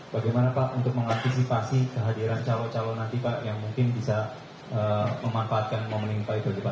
bagaimana pak untuk mengantisipasi kehadiran calon calon nanti pak yang mungkin bisa memanfaatkan momen ingin pak idul diba